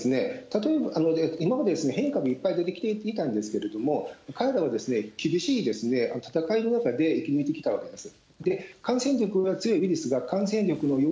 例えば、今まで変異株いっぱい出てきていたんですけれども、海外の厳しい闘いの中で生き抜いてきたわけです。